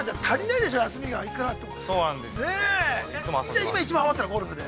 ◆じゃあ、今一番、終わったらゴルフで。